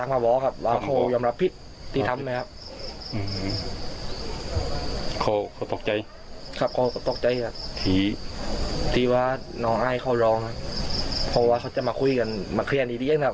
เพราะว่าเขาจะมาคุยกันมาเคลียร์ดีเองนะครับ